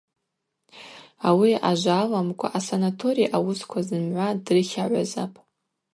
Ауи ажва аламкӏва асанаторий ауысква зымгӏва дрыхагӏвазапӏ.